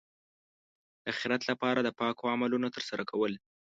د اخرت لپاره د پاکو عملونو ترسره کول.